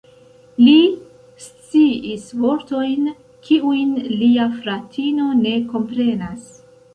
Li sciis vortojn, kiujn lia fratino ne komprenas.